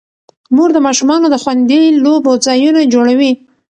مور د ماشومانو د خوندي لوبو ځایونه جوړوي.